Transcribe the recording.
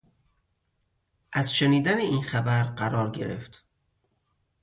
از شنیدن این خبر قرار گرفت